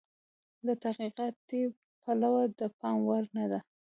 له تحقیقاتي پلوه د پام وړ نه ده.